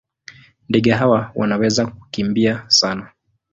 Ndege hawa wanaweza kukimbia sana.